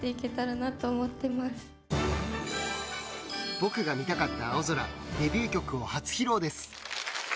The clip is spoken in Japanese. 僕が見たかった青空デビュー曲を初披露です。